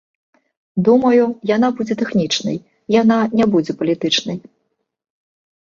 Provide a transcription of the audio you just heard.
Думаю, яна будзе тэхнічнай, яна не будзе палітычнай.